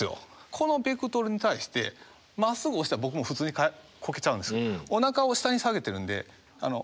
このベクトルに対してまっすぐ押したら僕も普通にこけちゃうんですよ。